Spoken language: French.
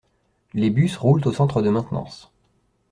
Les bus roulent au centre de maintenance.